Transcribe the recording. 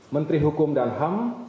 menteri hukum dan ham